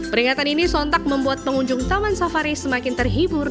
peringatan ini sontak membuat pengunjung taman safari semakin terhibur